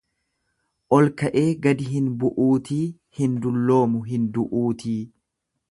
Olka'ee gadi hin bu'uutii, hin dulloomu hin du'uutii.